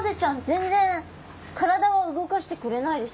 全然体は動かしてくれないですね。